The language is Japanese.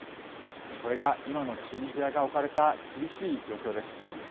これが今のチュニジアが置かれた厳しい状況です。